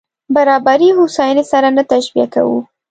برابري هوساينې سره نه تشبیه کوو.